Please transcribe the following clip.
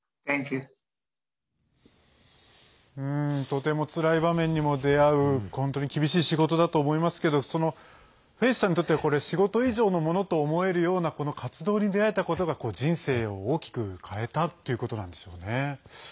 とてもつらい場面にも出会う本当に厳しい仕事だと思いますけどフェイスさんにとっては仕事以上のものと思えるようなこの活動に出会えたことが人生を大きく変えたということなんでしょうね。